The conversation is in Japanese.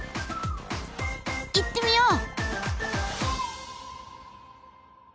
行ってみよう！